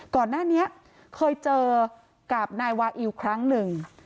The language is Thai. ก่อนหน้านี้เคยเจอกับนายวาอิวครั้งหนึ่ง